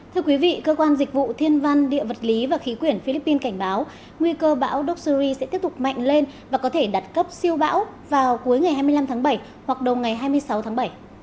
thưa quý vị cơ quan dịch vụ thiên văn địa vật lý và khí quyển philippines cảnh báo nguy cơ bão doxury sẽ tiếp tục mạnh lên và có thể đặt cấp siêu bão vào cuối ngày hai mươi năm tháng bảy hoặc đầu ngày hai mươi sáu tháng bảy